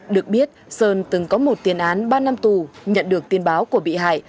được biết sơn từng có một tiền án ba năm tù nhận được tin báo của bị hại